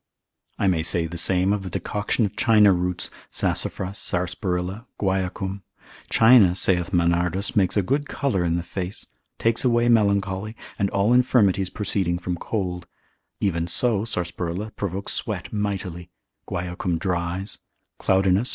I may say the same of the decoction of China roots, sassafras, sarsaparilla, guaiacum: China, saith Manardus, makes a good colour in the face, takes away melancholy, and all infirmities proceeding from cold, even so sarsaparilla provokes sweat mightily, guaiacum dries, Claudinus, consult.